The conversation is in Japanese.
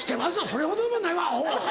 「それほどでもないわアホ！」。